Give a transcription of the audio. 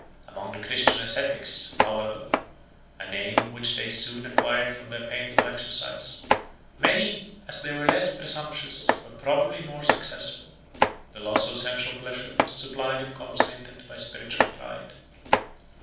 97 Among the Christian ascetics, however, (a name which they soon acquired from their painful exercise,) many, as they were less presumptuous, were probably more successful. The loss of sensual pleasure was supplied and compensated by spiritual pride.